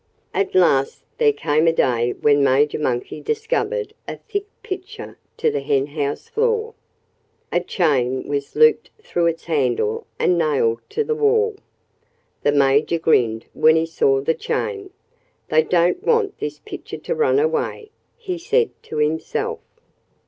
At last there came a day when Major Monkey discovered a thick pitcher on the henhouse floor. A chain was looped through its handle and nailed to the wall. The Major grinned when he saw the chain. "They don't want this pitcher to run away," he said to himself.